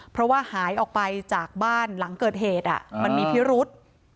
เพราะว่าหายออกไปจากบ้านหลังเกิดเหตุมันมีพิรุษ